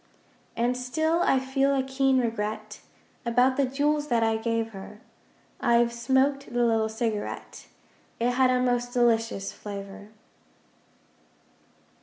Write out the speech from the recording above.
And still I feel a keen regret (About the jewels that I gave her) I've smoked the little cigarette It had a most delicious flavour.